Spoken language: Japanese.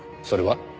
それは？